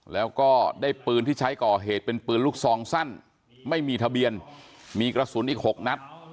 แล้วก็ได้ปืนที่ใช้ก่อเหตุเป็นปืนลูกซองสั้นไม่มีทะเบียนมีกระสุนอีก๖นัด